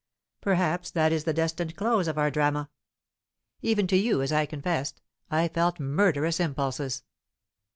Perhaps that is the destined close of our drama. Even to you, as I confessed, I felt murderous impulses.